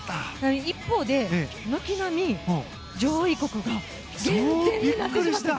一方で、軒並み上位国が減点になってしまったの。